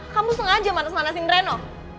kamu sengaja manas manasin reno